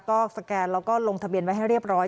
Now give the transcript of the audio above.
ก็สแกนแล้วก็ลงทะเบียนไว้ให้เรียบร้อย